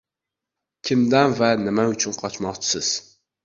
Kimdan va nima uchun qochmoqdasiz?